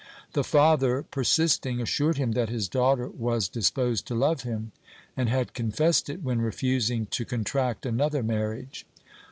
The father, persisting, assured him that his daughter was disposed to love him, and had confessed it when refusing to contract another marriage.